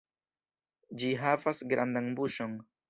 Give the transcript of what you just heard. Ĝi havas grandan buŝon.